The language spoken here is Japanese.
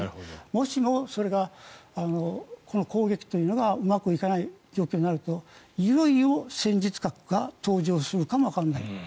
もしもこの攻撃というのがうまくいかない状況になるといよいよ戦術核が登場するかもわからない。